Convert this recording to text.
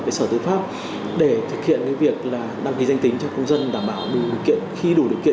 với sở tư pháp để thực hiện việc đăng ký danh tính cho công dân đảm bảo khi đủ điều kiện